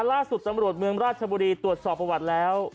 ล่าสุดตำรวจเมืองราชบุรีตรวจสอบประวัติแล้ว